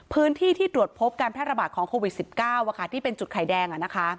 พื้นที่ที่ตรวจพบการแพร่ระบาดของโควิด๑๙ที่เป็นจุดไข่แดง